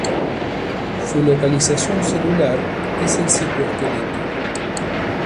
Su localización celular es el citoesqueleto.